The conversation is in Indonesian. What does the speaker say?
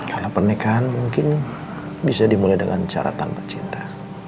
karena pernikahan mungkin bisa dimulai dengan cara tanpa cinta